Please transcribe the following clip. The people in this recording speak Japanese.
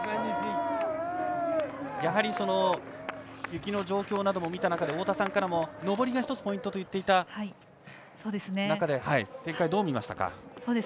やはり、雪の状況なども見た中で太田さんからも上りが１つポイントと言っていた中で展開をどう見ましたか？